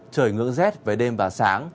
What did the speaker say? trời ngưỡng rét về đêm và sáng